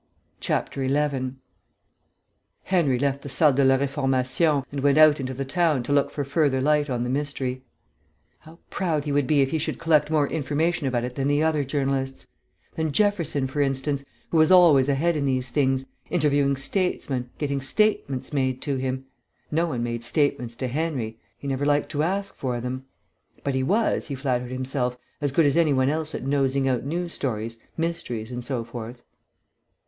11 Henry left the Salle de la Reformation and went out into the town to look for further light on the mystery. How proud he would be if he should collect more information about it than the other journalists! Than Jefferson, for instance, who was always ahead in these things, interviewing statesmen, getting statements made to him.... No one made statements to Henry; he never liked to ask for them. But he was, he flattered himself, as good as any one else at nosing out news stories, mysteries, and so forth.